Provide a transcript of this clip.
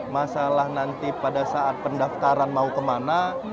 masalah nanti pada saat pendaftaran mau kemana